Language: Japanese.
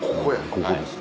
ここです。